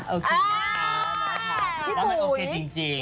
แล้วเป็นโอเคจริงพี่ปอยบอกพวกเราหน่อยสิ